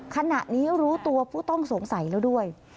ขณะนี้รู้ตัวผู้ต้องสงสัยแล้วด้วย